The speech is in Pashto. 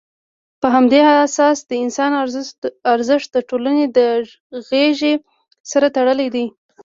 په همدې اساس، د انسان ارزښت د ټولنې له غېږې سره تړلی دی.